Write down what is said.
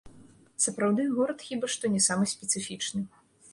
Сапраўды, горад хіба што не самы спецыфічны.